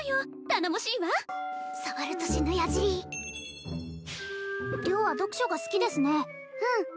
頼もしいわ触ると死ぬ矢じり良は読書が好きですねうん